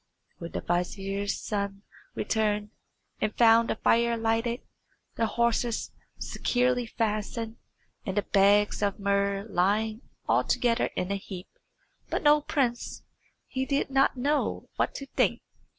When the vizier's son returned, and found the fire lighted, the horses securely fastened, and the bags of muhrs lying altogether in a heap, but no prince, he did not know what to think.